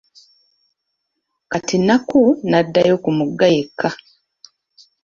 Kati Nakku n'addayo ku mugga yekka.